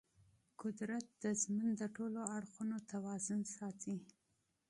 قدرت د ژوند د ټولو اړخونو توازن ساتي.